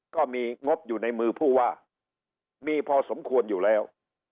ก็มีงบอยู่ในมือผู้ว่ามีพอสมควรอยู่แล้ว